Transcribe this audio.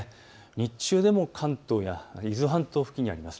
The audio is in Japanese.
日中でも関東や伊豆半島付近にあります。